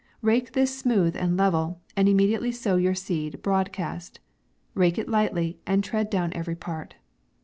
Rake this smooth and level, and immediately sow your seed broadcast ; rake it lightly, and tread down every part.